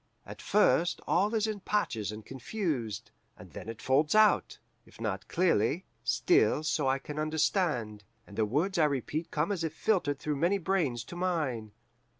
At first all is in patches and confused, and then it folds out if not clearly, still so I can understand and the words I repeat come as if filtered through many brains to mine.